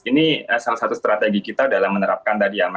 ini salah satu strategi kita dalam menerapkan tadi ya mas